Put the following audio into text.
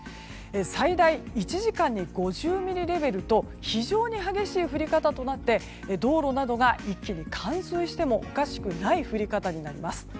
最大１時間に５０ミリレベルと非常に激しい降り方となって道路などが一気に冠水してもおかしくない降り方になります。